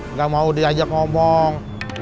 nggak mau diajak ngomong